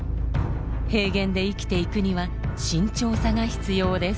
平原で生きていくには慎重さが必要です。